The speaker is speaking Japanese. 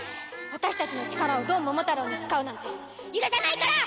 私たちの力をドンモモタロウに使うなんて許さないから！